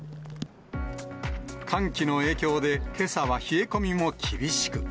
寒気の影響で、けさは冷え込みも厳しく。